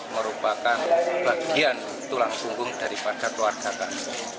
merupakan bagian tulang punggung dari pasar keluarga kami